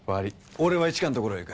俺は市川のところへ行く。